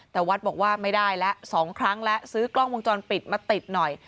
แต่วัดบอกว่าไม่ได้แล้ว๒ครั้งแล้วซื้อกล้องวงจรปิดมาติดหน่อย